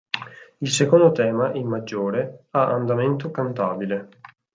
Il secondo tema, in maggiore, ha andamento cantabile.